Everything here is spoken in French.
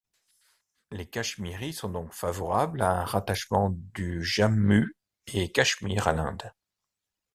Les cachemiris sont donc favorables à un rattachement du Jammu et Cachemire à l’Inde.